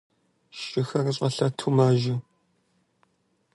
Шыхэр щӀэлъэту мажэ.